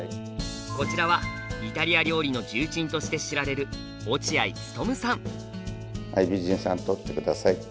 こちらはイタリア料理の重鎮として知られるはい美人さん撮って下さい。